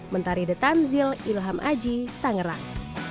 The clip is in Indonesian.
mentari the tanzil ilham aji tangerang